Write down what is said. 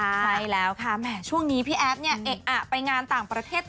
ใช่แล้วค่ะแหมช่วงนี้พี่แอฟเนี่ยเอะอะไปงานต่างประเทศ